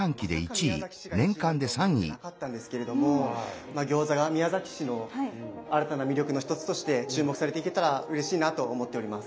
まさか宮崎市が１位になるとは思ってなかったんですけれども餃子が宮崎市の新たな魅力の一つとして注目されていけたらうれしいなと思っております。